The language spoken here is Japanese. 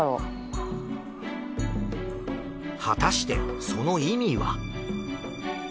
果たしてその意味は？